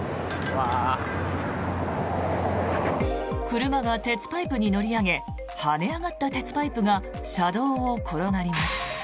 車が鉄パイプに乗り上げ跳ね上がった鉄パイプが車道を転がります。